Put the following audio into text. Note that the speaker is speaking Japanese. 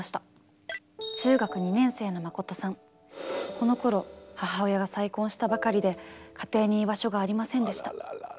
このころ母親が再婚したばかりで家庭に居場所がありませんでした。